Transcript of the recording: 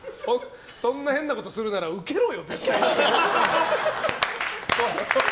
そんな変なことするならウケろよ！